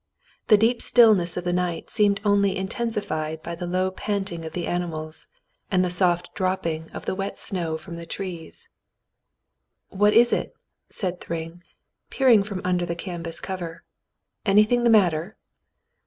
The deep stillness of the night seemed only intensified by the low panting of the animals and the soft dropping of the wet snow from the trees. "What is it ?" said Thryng, peering from under the can vas cover. "Anything the matter